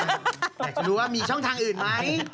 อยากจะรู้ว่ามีช่องทางอื่นไหม